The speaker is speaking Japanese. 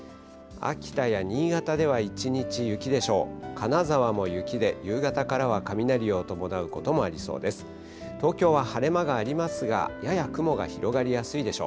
秋田や新潟では一日雪でしょう。